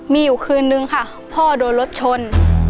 มีอยู่คืนนึงค่ะพ่อโดนรถชน